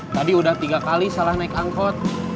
tadi udah tiga kali salah naik angkot